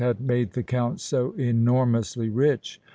had made the Count so enormously rich.